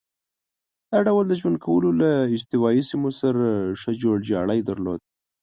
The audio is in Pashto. دا ډول د ژوند کولو له استوایي سیمو سره ښه جوړ جاړی درلود.